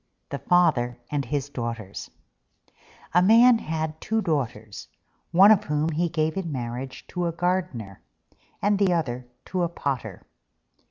THE FATHER AND HIS DAUGHTERS A Man had two Daughters, one of whom he gave in marriage to a gardener, and the other to a potter.